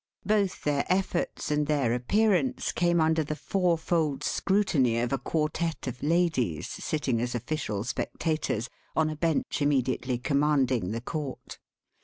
Both their efforts and their appearance came under the fourfold scrutiny of a quartet of ladies sitting as official spectators on a bench immediately commanding the court.